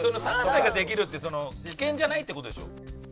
３歳ができるって危険じゃないって事でしょ？